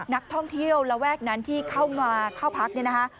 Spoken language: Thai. นักท่องเที่ยวระแวกนั้นที่เข้ามาเข้าพักเนี่ยนะคะ